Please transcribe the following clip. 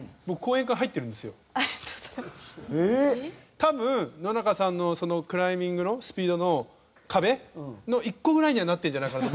多分野中さんのそのクライミングのスピードの壁の１個ぐらいにはなってるんじゃないかなと。